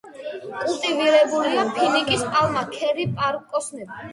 კულტივირებულია ფინიკის პალმა, ქერი, პარკოსნები.